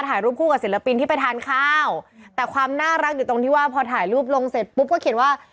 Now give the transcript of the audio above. ถ่ายรูปคู่กับศิลปินที่ไปทานข้าวแต่ความน่ารักอยู่ตรงที่ว่าพอถ่ายรูปลงเสร็จปุ๊บก็เขียนว่า